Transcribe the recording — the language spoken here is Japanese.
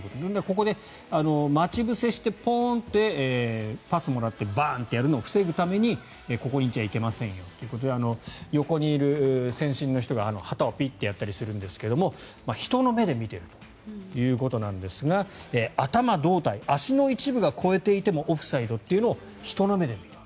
ここで待ち伏せしてポンとパスをもらってバンとやるのを防ぐためにここにいちゃいけませんよということで横にいる線審の人が旗をピッとやったりするんですが人の目で見ているということなんですが頭、胴体、足の一部が越えていてもオフサイドというのを人の目で見る。